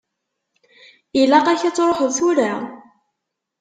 Ilaq-ak ad truḥeḍ tura?